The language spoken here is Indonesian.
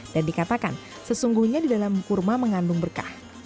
dan dikatakan sesungguhnya di dalam kurma mengandung berkah